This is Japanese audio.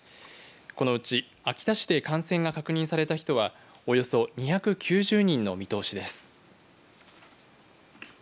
このうち秋田市で感染が確認された人はおよそ２９０人の見通しです。